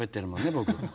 僕。